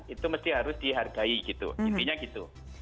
itu mesti harus dihargai gitu intinya gitu